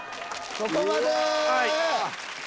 そこまで！